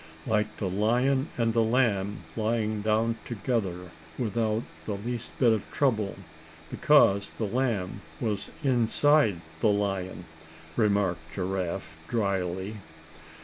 "Like the lion and the lamb lying down together without the least bit of trouble, because the lamb was inside the lion," remarked Giraffe, drily.